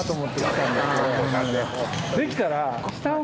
できたら。